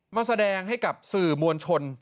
มาแสดงให้กับสื่อมวลชน